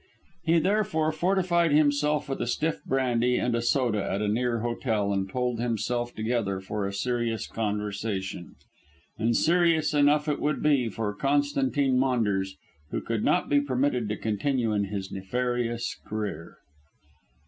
He therefore fortified himself with a stiff brandy and soda at a near hotel and pulled himself together for a serious conversation. And serious enough it would be for Constantine Maunders, who could not be permitted to continue in his nefarious career.